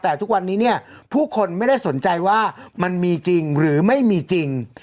แต่ทุกวันนี้เนี่ยผู้คนไม่ได้สนใจว่ามันมีจริงหรือไม่มีจริง